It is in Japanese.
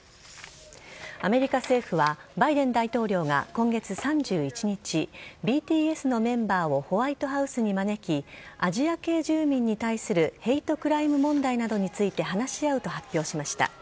アメリカ政府はバイデン大統領が今月３１日ＢＴＳのメンバーをホワイトハウスに招きアジア系住民に対するヘイトクライム問題などについて話し合うと発表しました。